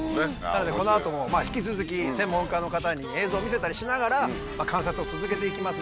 なのでこの後も引き続き専門家の方に映像を見せたりしながら観察を続けていきますので。